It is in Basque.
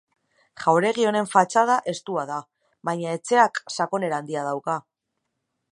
Jauregi honen fatxada estua da, baina etxeak sakonera handia dauka.